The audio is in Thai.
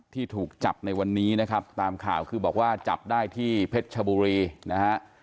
ที่ถูกจับในวันนี้นะครับตามข่าวคือบอกว่าจับได้ที่เพชรชบุรีนะฮะ